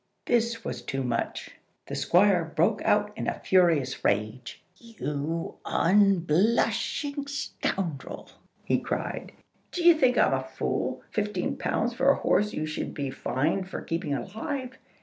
This was too much. The Squire broke out in a furious rage. "You unblushing scoundrel!" he cried. "D'ye think I'm a fool? Fifteen pounds for a horse you should be fined for keeping alive!